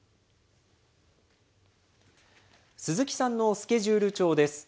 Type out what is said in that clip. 鈴木さんのスケジュール帳です。